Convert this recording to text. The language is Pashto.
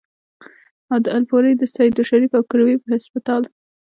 او د الپورۍ ، سېدو شريف ، او کروړې پۀ هسپتال